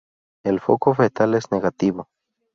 El foco fetal es negativo.